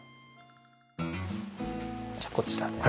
じゃあこちらで。